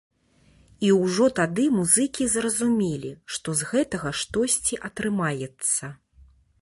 І ўжо тады музыкі зразумелі, што з гэтага штосьці атрымаецца.